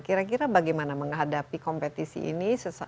kira kira bagaimana menghadapi kompetisi ini